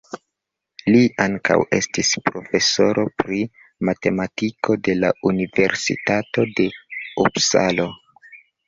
Li ankaŭ estis profesoro pri matematiko de la Universitato de Upsalo.